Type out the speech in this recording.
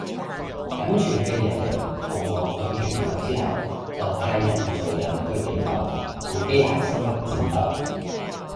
僅存嘅人類逃亡到月球之後就派人造人去地球同機械生物戰鬥